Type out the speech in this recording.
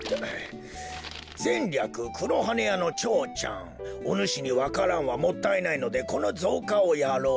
「ぜんりゃく黒羽屋の蝶ちゃん。おぬしにわか蘭はもったいないのでこのぞうかをやろう。